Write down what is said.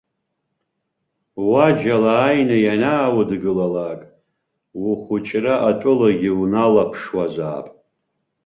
Уаџьал ааины ианааудгылалак, ухәыҷра атәылагьы уналаԥшуазаап.